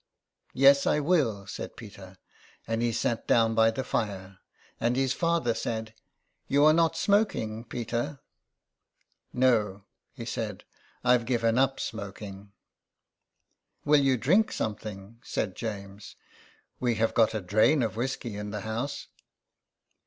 " Yes, I will," said Peter; and he sat down by the fire. And his father said You are not smoking, Peter." " No," he said :" I've given up smoking." " Will you drink something ?" said James. *' We have got a drain of whiskey in the house."